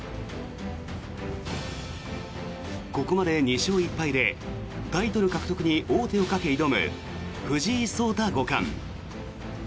ここまで２勝１敗でタイトル獲得に王手をかけて挑む藤井聡太五冠。